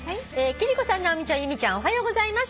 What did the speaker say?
「貴理子さん直美ちゃん由美ちゃんおはようございます」